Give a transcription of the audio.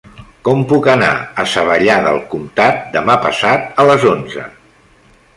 Com puc anar a Savallà del Comtat demà passat a les onze?